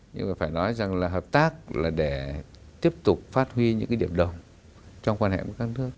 nhưng mà phải nói rằng là hợp tác là để tiếp tục phát huy những cái điểm đồng trong quan hệ với các nước